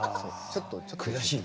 悔しいね。